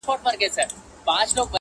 د شهید قبر یې هېر دی له جنډیو-